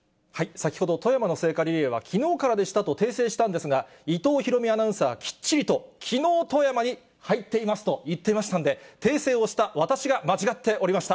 先ほど、富山の聖火リレーはきのうからでしたと訂正したんですが、伊藤大海アナウンサー、きっちりと、きのう富山に入っていますと言っていましたんで、訂正をした私が間違っておりました。